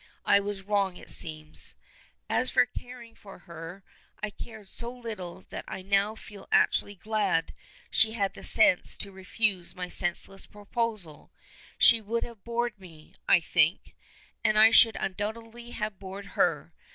I was wrong it seems. As for caring for her, I care so little that I now feel actually glad she had the sense to refuse my senseless proposal. She would have bored me, I think, and I should undoubtedly have bored her.